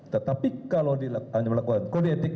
tetapi kalau hanya melakukan kode etik